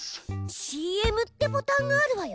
ＣＭってボタンがあるわよ。